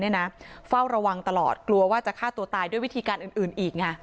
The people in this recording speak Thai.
เฝ้าระวังตลอดกลัวว่าจะฆ่าตัวตายด้วยวิธีการอื่นอีกไง